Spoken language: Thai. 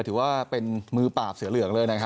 ถือว่าเป็นมือปากเสือเหลืองเลยนะครับ